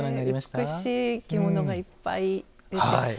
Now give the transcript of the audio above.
美しい着物がいっぱい。